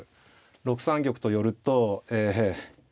６三玉と寄るとええ。